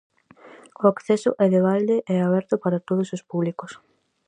O acceso é de balde e aberto para todos os públicos.